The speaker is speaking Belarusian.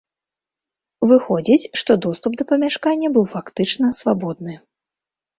Выходзіць, што доступ да памяшкання быў фактычна свабодны.